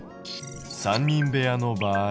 ３人部屋の場合。